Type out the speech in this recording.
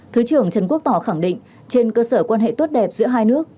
thứ trưởng trần quốc tỏ khẳng định trên cơ sở quan hệ tốt đẹp giữa hai nước